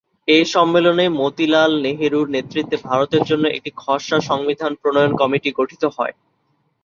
এ সম্মেলনে মতিলাল নেহেরুর নেতৃত্বে ভারতের জন্য একটি খসড়া সংবিধান প্রণয়ন কমিটি গঠিত হয়।